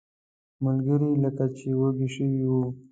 ملګري لکه چې وږي شوي وو.